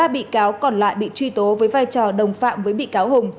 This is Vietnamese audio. một mươi ba bị cáo còn lại bị truy tố với vai trò đồng phạm với bị cáo hùng